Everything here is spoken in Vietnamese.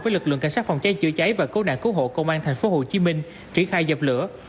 với lực lượng cảnh sát phòng cháy chữa cháy và cứu nạn cứu hộ công an tp hcm triển khai dập lửa